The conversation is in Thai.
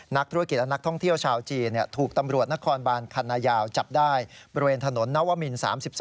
นักธุรกิจและนักท่องเที่ยวชาวจีนถูกตำรวจนครบานคันนายาวจับได้บริเวณถนนนวมิน๓๒